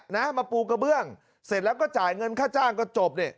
นะมาปูกระเบื้องเสร็จแล้วก็จ่ายเงินค่าจ้างก็จบเนี่ย